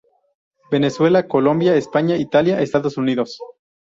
Venezuela, Colombia, España, Italia, Estados Unidos.